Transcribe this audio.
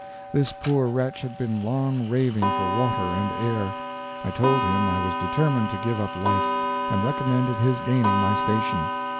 This poor wretch had been long raving for water and air; I told him I was determined to give up life, and recommended his gaining my station.